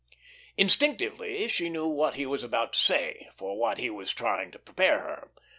Instinctively she knew what he was about to say, for what he was trying to prepare her.